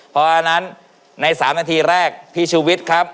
เพราะอันนั้นใน๓นาทีแรกพี่ชูวิทย์ครับ